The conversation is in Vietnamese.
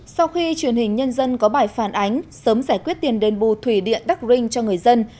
sau khi truyền hình nhân dân có bài phản ánh sớm giải quyết tiền đền bù thủy điện đắc rinh cho người dân